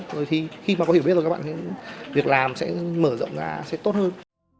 rồi thì khi mà có hiểu biết rồi các bạn thì việc làm sẽ mở rộng ra sẽ tốt hơn